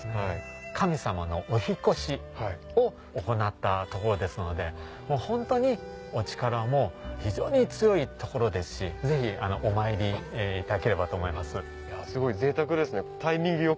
神様のお引っ越しを行ったところですのでホントにお力も非常に強いところですしぜひお参りいただければと思います。